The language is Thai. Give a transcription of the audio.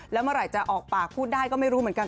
แล้วเมื่อไหร่จะออกปากพูดได้ก็ไม่รู้เหมือนกัน